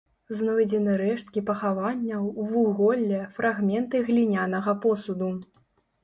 Знойдзены рэшткі пахаванняў, вуголле, фрагменты глінянага посуду.